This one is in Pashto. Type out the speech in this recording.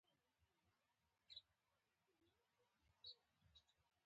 ژبه انسان ته یوه الهي پیرزوینه ده په پښتو ژبه.